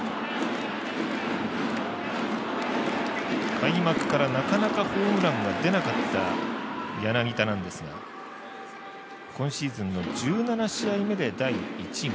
開幕から、なかなかホームランが出なかった柳田なんですが今シーズンの１７試合目で第１号。